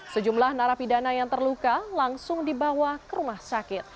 sejumlah narapidana yang terluka langsung dibawa ke rumah sakit